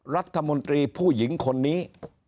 รัฐมนตรีผู้หญิงคนนี้